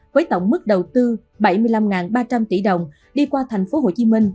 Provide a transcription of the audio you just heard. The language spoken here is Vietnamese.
với tổng mức đầu tư bảy mươi năm ba trăm linh tỷ đồng đi qua thành phố hồ chí minh